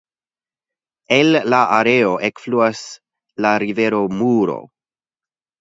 El la areo ekfluas la rivero Muro.